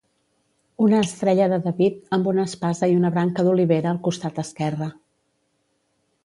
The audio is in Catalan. Una estrella de David, amb una espasa i una branca d'olivera al costat esquerre.